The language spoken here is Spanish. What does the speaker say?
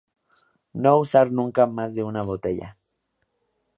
No usar nunca más de una botella".